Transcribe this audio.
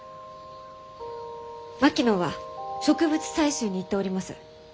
槙野は植物採集に行っております。